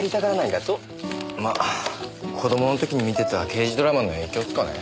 まあ子供の時に見てた刑事ドラマの影響っすかね。